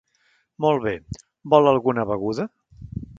Molt bé, vol alguna beguda?